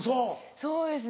そうですね